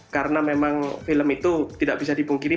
karena memang film itu tidak bisa dipungkiri